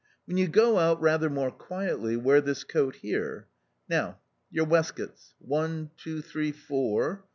When you go out rather more quietly wear this coat here. Now your waistcoats — one, two, three, four.